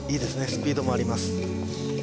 スピードもあります